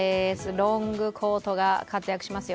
ロングコートが活躍しますよ。